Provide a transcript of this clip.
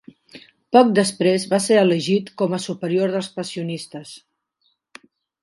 Poc després va ser elegit com a superior dels Passionistes.